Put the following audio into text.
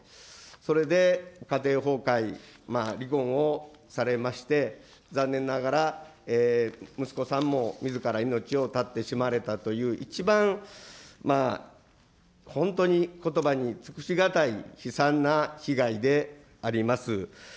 それで家庭崩壊、離婚をされまして、残念ながら、息子さんもみずから命を絶ってしまわれたという、一番、本当にことばに尽くし難い悲惨な被害であります。